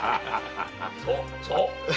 そうそう！